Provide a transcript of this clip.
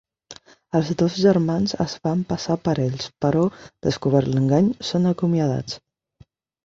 Els dos germans es fan passar per ells però, descobert l'engany, són acomiadats.